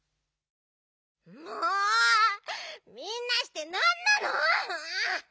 もうみんなしてなんなの？